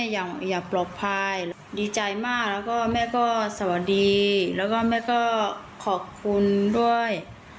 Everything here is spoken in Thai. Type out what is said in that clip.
สวัสดีแล้วก็แม่ก็ขอบคุณด้วย